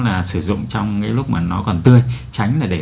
là sử dụng trong cái lúc mà nó còn tươi tránh là để